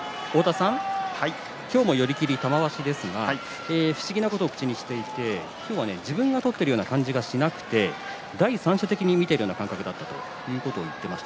今日も寄り切りの玉鷲ですが不思議なことを口にしてまして今日は自分が取っているような感じがしなくて第三者的に見ているような感覚だったと言っていました。